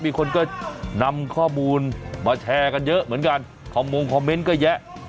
มีคนก็นำข้อมูลมาแชร์กันเยอะเหมือนกันคอมมงคอมเมนต์ก็แยะ